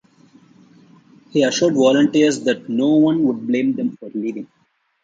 He assured volunteers that no one would blame them for leaving.